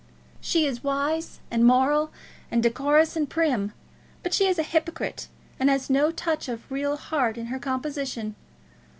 She is wise and moral, and decorous and prim; but she is a hypocrite, and has no touch of real heart in her composition.